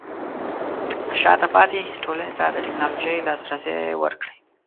شاته پاتې ټولنې ته د ټیکنالوژۍ لاسرسی ورکړئ.